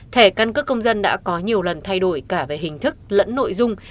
thẻ căn cước công dân đã có nhiều lần thay đổi cả về hình thức lẫn nội dung